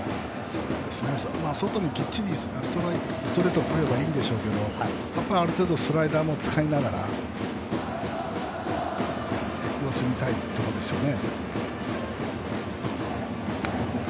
外にきっちりストレートがくればいいんでしょうけどある程度スライダーも使いながら様子を見たいところですよね。